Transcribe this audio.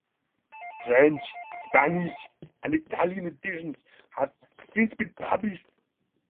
French, Spanish and Italian editions have since been published.